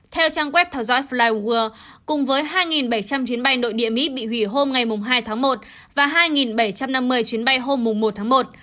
theo trang web theo dõi flyworld cùng với hai bảy trăm linh chuyến bay nội địa mỹ bị hủy hôm ngày hai tháng một và hai bảy trăm năm mươi chuyến bay hôm một tháng một